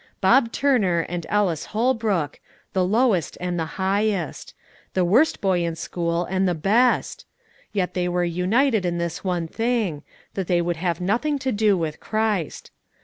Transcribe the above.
Bob Turner and Ellis Holbrook, the lowest and the highest; the worst boy in school and the best! Yet they were united in this one thing, that they would have nothing to do with Christ.